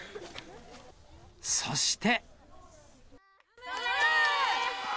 そして。